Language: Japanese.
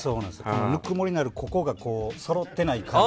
ぬくもりのあるここがそろっていない感じ。